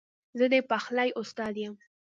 زه د پخلي استاد یم